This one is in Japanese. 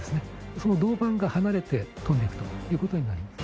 その銅板が離れて飛んでいくということになります